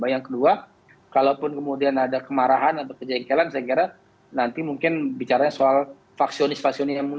yang kedua kalaupun kemudian ada kemarahan atau kejengkelan saya kira nanti mungkin bicara soal faksionis faksionis yang muncul